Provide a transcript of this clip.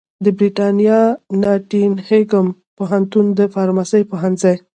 د برېتانیا ناټینګهم پوهنتون د فارمیسي پوهنځي